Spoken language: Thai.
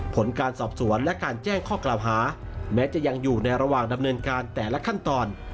ผลการสอบสวนและการแจ้งข้อกล่าวหาแม้จะยังอยู่ในระหว่างดำเนินการแต่ละขั้นตอน